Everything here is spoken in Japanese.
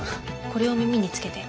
これを耳につけて。